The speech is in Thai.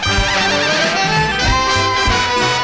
โอ้โห